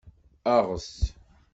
Aɣet!